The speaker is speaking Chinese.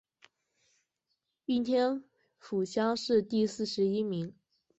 应天府乡试第四十一名。